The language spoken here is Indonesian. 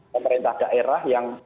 pemerintah daerah yang